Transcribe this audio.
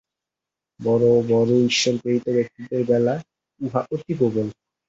বড় বড় ঈশ্বরপ্রেরিত ব্যক্তিদের বেলা উহা অতি প্রবল।